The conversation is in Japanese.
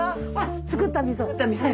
造ったみそ。